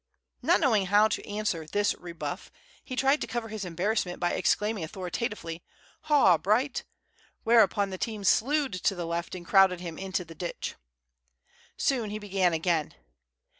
Not knowing how to answer this rebuff, he tried to cover his embarrassment by exclaiming authoritatively, "Haw, Bright!" whereupon the team slewed to the left and crowded him into the ditch. Soon he began again.